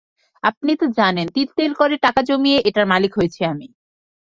আপনি তো জানেন, তিল তিল করে টাকা জমিয়ে এটার মালিক হয়েছি আমি।